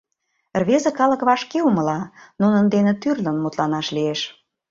Рвезе калык вашке умыла, нунын дене тӱрлын мутланаш лиеш.